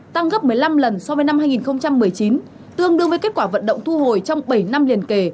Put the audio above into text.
tăng gấp một mươi năm lần so với năm hai nghìn một mươi chín tương đương với kết quả vận động thu hồi trong bảy năm liền kề